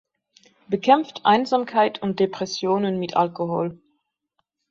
Bekämpft Einsamkeit und Depressionen mit Alkohol.